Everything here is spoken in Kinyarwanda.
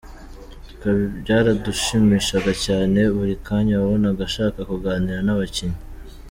Twe byaradushimishaga cyane, buri kanya wabonaga ashaka kuganira n’abakinnyi.